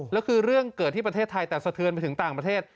แล้วคือเรื่องเกิดที่ประเทศไทยแต่สะเทือนไปถึงต่างประเทศ